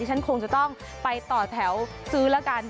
ฉันคงจะต้องไปต่อแถวซื้อแล้วกัน